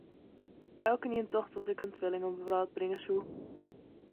Elkenien tocht dat ik in twilling op 'e wrâld bringe soe.